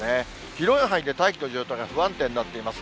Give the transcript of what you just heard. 広い範囲で大気の状態が不安定になっています。